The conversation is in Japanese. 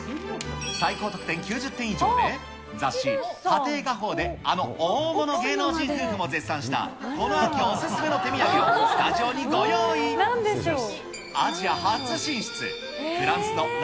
最高得点９０点以上で、雑誌、家庭画報で、あの大物芸能人夫婦も絶賛したこの秋お勧めの手土産をスタジオになんでしょう？